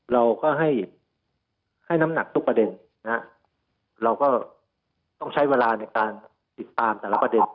เราก็ให้ให้น้ำหนักทุกประเด็นนะฮะเราก็ต้องใช้เวลาในการติดตามแต่ละประเด็น